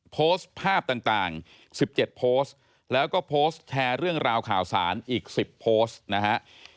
โพสต์ภาพต่าง๑๗โพสต์แล้วก็โพสต์แชร์เรื่องราวข่าวสารอีก๑๐โพสต์นะฮะ